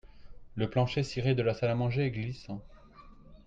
Le plancher ciré de la salle à manger est glissant